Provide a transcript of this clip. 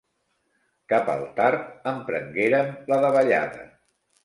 Cap al tard emprenguérem la davallada.